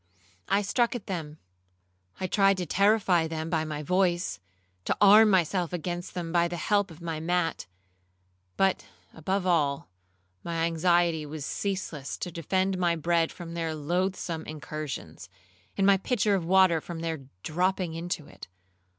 I struck at them;—I tried to terrify them by my voice, to arm myself against them by the help of my mat; but above all, my anxiety was ceaseless to defend my bread from their loathsome incursions, and my pitcher of water from their dropping into it.